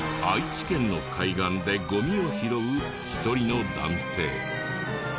愛知県の海岸でゴミを拾う１人の男性。